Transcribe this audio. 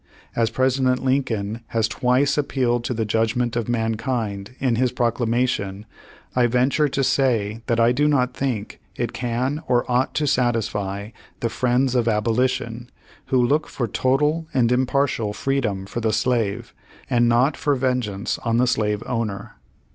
As President Lincoln has twice appealed to the judgment of mankind in his proclamation, I venture to say that I do not think it can or ought to satisfy the friends of Abolition, who look for total and impartial freedom for the slave, and not for vengeance on the slave owner."